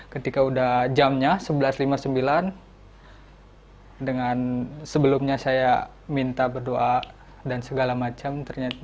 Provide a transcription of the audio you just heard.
ketika udah jamnya sebelas lima puluh sembilan dengan sebelumnya saya minta berdoa dan segala macam